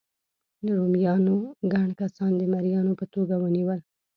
رومیانو ګڼ کسان د مریانو په توګه ونیول.